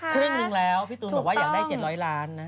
ครึ่งหนึ่งแล้วพี่ตูนบอกว่าอยากได้๗๐๐ล้านนะ